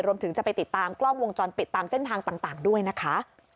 รวมถึงจะไปติดตามกล้องวงจรปิดตามเส้นทางต่างด้วยนะคะ